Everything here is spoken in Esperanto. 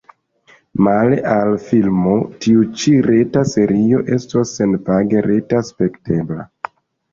Male al la filmo tiu ĉi reta serio estos senpage rete spektebla.